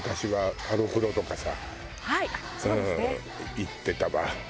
行ってたわ。